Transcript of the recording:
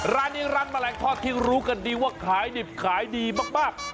ร้านนี้ร้านแมลงทอดที่รู้กันดีว่าขายดิบขายดีมาก